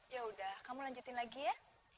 yaudah kamu lanjutin lagi ya